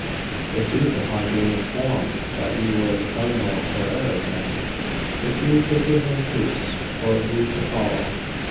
The Duke upon being informed that we were the Cardinal of Ferrara's men, refused to give them troops or leave to follow.